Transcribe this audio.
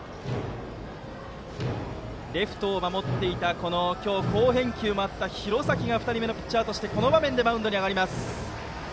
レフトを守っていた今日、好返球もあった廣崎が２人目のピッチャーとしてこの場面でマウンドに上がります。